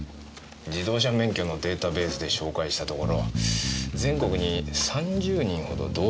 自動車免許のデータベースで照会したところ全国に３０人ほど同姓同名がいたらしい。